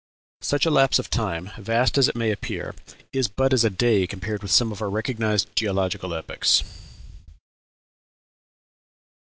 Such a lapse of time, vast as it may appear, is but as a day compared with some of our recognized geological epochs.